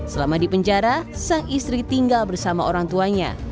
selama di penjara sang istri tinggal bersama orang tuanya